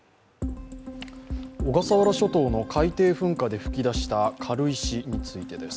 小笠原諸島の海底噴火で噴き出した軽石についてです。